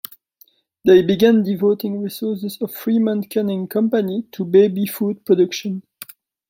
They began devoting resources of Fremont Canning Company to baby food production.